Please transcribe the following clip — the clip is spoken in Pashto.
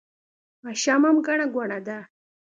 ماښام هم ګڼه ګوڼه ده